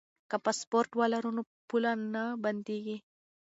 که پاسپورټ ولرو نو پوله نه بندیږي.